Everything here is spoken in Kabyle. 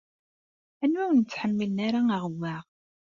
Anwa ur yettḥemmilen ara aɣewwaɣ?